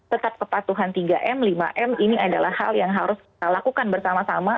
tetap kepatuhan tiga m lima m ini adalah hal yang harus kita lakukan bersama sama